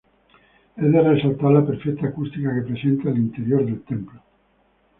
Es de resaltar la perfecta acústica que presenta el interior del templo.